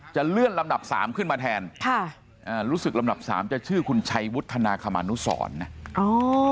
จะเลื่อนลำดับ๓ขึ้นมาแทนรู้สึกลำดับ๓จะชื่อคุณชัยวุฒณาคามนนุษรนะ